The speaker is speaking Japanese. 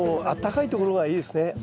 あったかいところがいいですね。